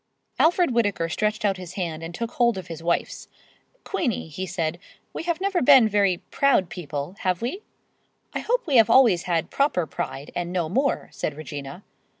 Alfred Whittaker stretched out his hand and took hold of his wife's. "Queenie," he said, "we have never been very proud people, have we?" "I hope we have always had proper pride, and no more," said Regina.